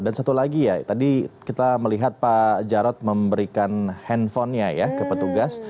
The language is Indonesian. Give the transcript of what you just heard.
dan satu lagi ya tadi kita melihat pak jarod memberikan handphonenya ya ke petugas